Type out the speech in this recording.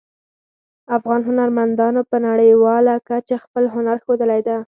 افغان هنرمندانو په نړیواله کچه خپل هنر ښودلی ده